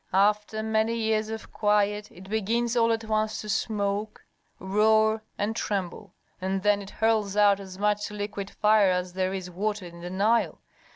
After many years of quiet it begins all at once to smoke, roar, and tremble, and then it hurls out as much liquid fire as there is water in the Nile.